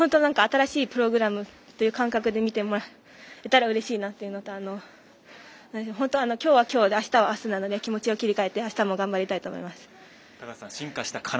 新しいプログラムという感じで見てもらえればうれしいなというのと本当、きょうはきょうであすはあすなので気持ちを切り替えてあしたも頑張りたいと思います。